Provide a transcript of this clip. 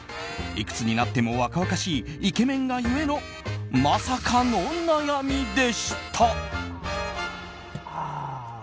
いくつになっても若々しいイケメンが故のまさかの悩みでした。